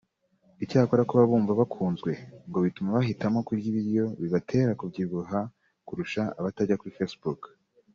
Icyakora kuba bumva bakunzwe ngo bituma bahitamo kurya ibiryo bibatera kubyibuha kurusha abatajya kuri facebook